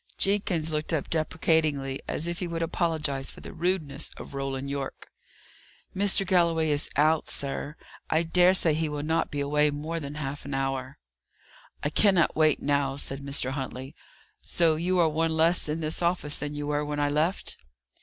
Jenkins looked up deprecatingly, as if he would apologize for the rudeness of Roland Yorke. "Mr. Galloway is out, sir. I dare say he will not be away more than half an hour." "I cannot wait now," said Mr. Huntley. "So you are one less in this office than you were when I left?"